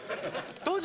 どうぞ！